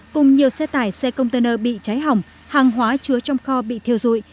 cùng nhiều xe tải xe container bị cháy hỏng hàng hóa chứa trong kho bị thiêu dụi